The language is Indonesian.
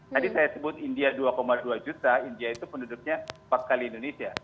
tadi saya sebut india dua dua juta india itu penduduknya empat kali indonesia